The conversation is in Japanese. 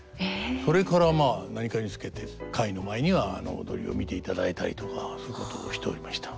それからまあ何かにつけて会の前には踊りを見ていただいたりとかそういうことをしておりました。